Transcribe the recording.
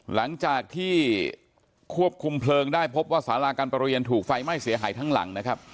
หลังจากที่ควบคุมเพลิงได้พบว่าสาราการประเรียนถูกไฟไหม้เสียหายทั้งหลังนะครับ